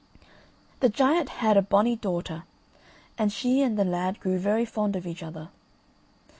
The giant had a bonny daughter, and she and the lad grew very fond of each other.